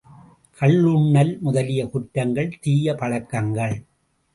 கள்ளுண்ணல் முதலிய குற்றங்கள் தீயபழக்கங்கள்.